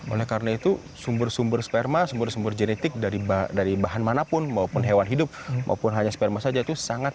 oleh karena itu sumber sumber sperma sumber sumber genetik dari bahan manapun maupun hewan hidup maupun hanya sperma saja itu sangat